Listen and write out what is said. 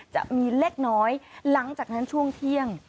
จะมีเล็กน้อยหลังจากนั้นช่วงเที่ยง